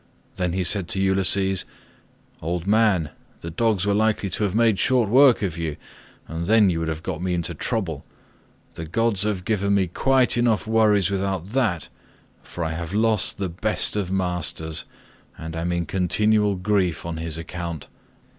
Then he said to Ulysses, "Old man, the dogs were likely to have made short work of you, and then you would have got me into trouble. The gods have given me quite enough worries without that, for I have lost the best of masters, and am in continual grief on his account.